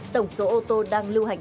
tổng số ô tô đang lưu hành